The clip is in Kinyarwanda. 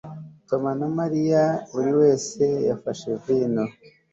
Tom na Mariya buri wese yafashe vino